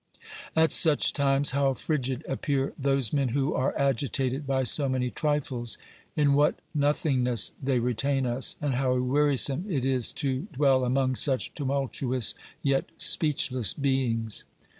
At such times how frigid appear those men who are agitated by so many trifles ! In what nothingness they retain us, and how wearisome it is to dwell among such tumultuous yet speechless beings